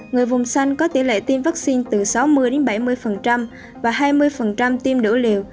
người vùng xanh có tỷ lệ tiêm vaccine từ sáu mươi bảy mươi và hai mươi tiêm đỗ liều